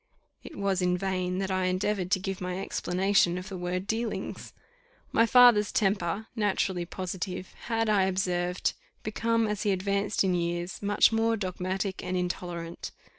It was in vain that I endeavoured to give my explanation of the word dealings. My father's temper, naturally positive, had, I observed, become, as he advanced in years, much more dogmatic and intolerant.